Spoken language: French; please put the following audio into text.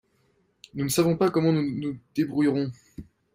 Nous ne savons pas comment nous nous débrouillerons.